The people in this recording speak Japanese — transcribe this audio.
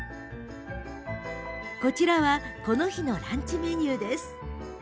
こちらはこの日のランチメニューです。